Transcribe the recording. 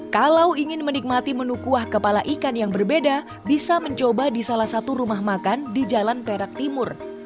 kalau ingin menikmati menu kuah kepala ikan yang berbeda bisa mencoba di salah satu rumah makan di jalan perak timur